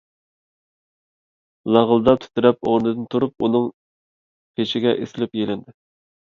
لاغىلداپ تىترەپ، ئورنىدىن تۇرۇپ ئۇنىڭ پېشىگە ئېسىلىپ يېلىندى.